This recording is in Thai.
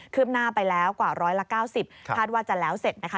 คืบหน้าไปแล้วกว่าร้อยละเก้าสิบคาดว่าจะแล้วเสร็จนะคะ